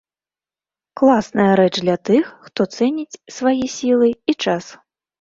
Класная рэч для тых, хто цэніць свае сілы і час.